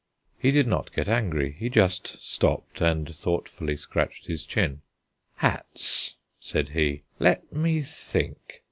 he did not get angry; he just stopped and thoughtfully scratched his chin. "Hats," said he. "Let me think.